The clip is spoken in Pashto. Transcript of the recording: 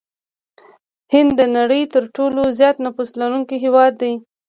هند د نړۍ ترټولو زيات نفوس لرونکي هېواد دي.